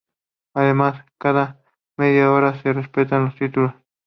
Además, cada media hora se repasan los títulos.